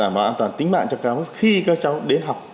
và đảm bảo an toàn tính mạng cho các cháu khi các cháu đến học tại trường